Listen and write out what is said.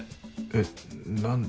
えっ何で？